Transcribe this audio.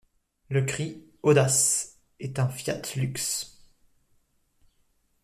Le cri : Audace ! est un Fiat lux.